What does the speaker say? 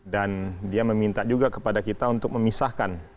dan dia meminta juga kepada kita untuk memisahkan